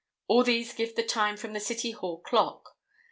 All these give the time from the City Hall clock.